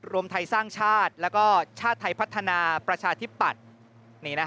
รวมไทยสร้างชาติแล้วก็ชาติไทยพัฒนาประชาธิปัตย์